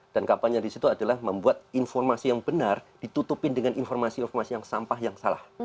dan kampanye di situ adalah membuat informasi yang benar ditutupin dengan informasi informasi yang sampah yang salah